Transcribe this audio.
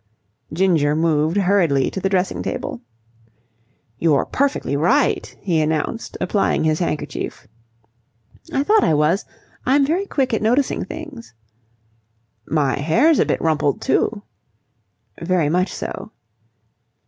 Ginger moved hurriedly to the dressing table. "You're perfectly right," he announced, applying his handkerchief. "I thought I was. I'm very quick at noticing things." "My hair's a bit rumpled, too." "Very much so."